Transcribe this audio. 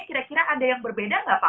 kira kira ada yang berbeda nggak pak